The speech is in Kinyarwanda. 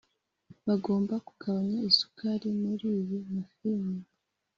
bagomba kugabanya isukari muriyi mafine.